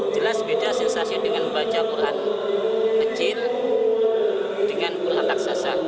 jelas beda sensasi dengan membaca al quran kecil dengan al quran taksasa